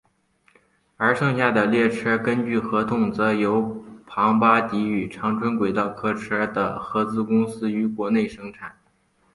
而剩下的列车根据合同则由庞巴迪与长春轨道客车的合资公司于国内生产。